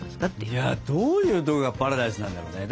いやどういうとこがパラダイスなんだろうね。